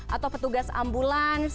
atau petugas ambulans